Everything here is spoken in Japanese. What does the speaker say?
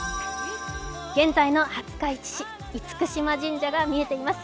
現在の廿日市市、厳島神社が見えています。